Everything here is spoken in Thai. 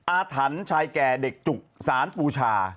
อาถรรพ์ชายแก่เด็กจุกสารปูชา